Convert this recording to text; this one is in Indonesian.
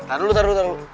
taruh dulu taruh dulu